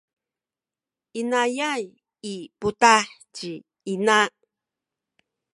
inayay i putah ci ina.